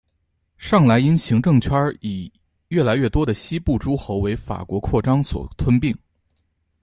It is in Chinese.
上莱茵行政圈以及越来越多的西部诸侯为法国扩张所吞并。